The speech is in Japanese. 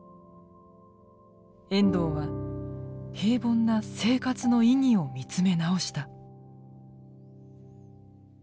遠藤は平凡な「生活」の意義を見つめ直した。